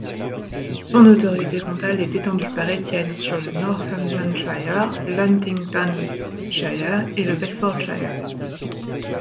Son autorité comtale est étendue par Étienne sur le Northamptonshire, l'Huntingdonshire et le Bedfordshire.